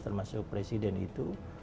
termasuk presiden itu